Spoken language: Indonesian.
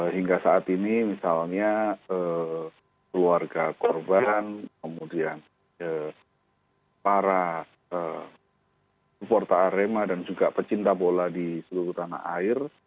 hingga saat ini misalnya keluarga korban kemudian para supporter arema dan juga pecinta bola di seluruh tanah air